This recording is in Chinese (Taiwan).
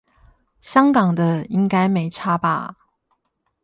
香港的應該沒差吧